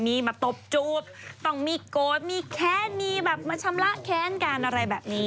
มีมาตบจูบต้องมีโกรธมีแค้นมีแบบมาชำระแค้นกันอะไรแบบนี้